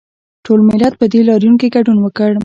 ټول ملت په دې لاریون کې ګډون وکړ